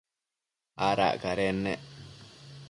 Adac cadennec